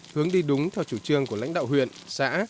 hướng đi đúng theo chủ trương của lãnh đạo huyện xã